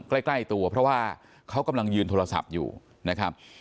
ใกล้ตัวเพราะว่าเขากำลังยืนโทรศัพท์อยู่นะครับ